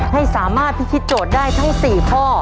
ให้สามารถพิธีโจทย์ได้ทั้ง๔ข้อ